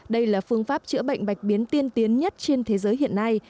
đây là phương pháp chữa bệnh bạch biến tiên tiến nhất trên thế giới hiện nay